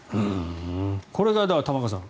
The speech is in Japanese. これが玉川さん